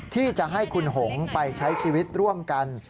ที่จะให้คุณหงไปใช้ชีวิตร่วมกัน